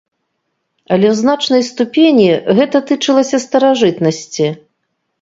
Але ў значнай ступені гэта тычылася старажытнасці.